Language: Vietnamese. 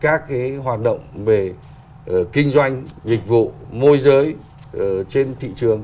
nữa là kiểm soát các cái hoạt động về kinh doanh dịch vụ môi giới trên thị trường